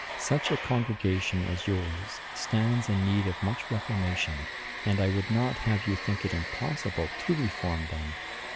Such a congregation as yours stands in need of much reformation; and I would not have you think it impossible to reform them.